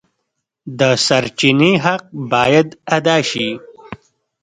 د سرچینې حق باید ادا شي.